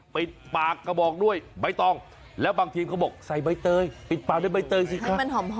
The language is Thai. ปิดปากกระบอกด้วยใบตองแล้วบางทีมเขาบอกใส่ใบเตยปิดปากด้วยใบเตยสิครับ